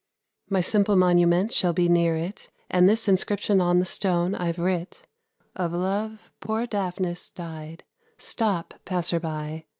My simple monument shall be near it, And this inscription on the stone I've writ 'Of love poor Daphnis died. Stop, passer by!